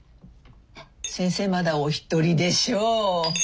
先生まだおひとりでしょう？